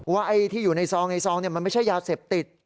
ว่าที่อยู่ในซองมันไม่ใช่ยาเสพติด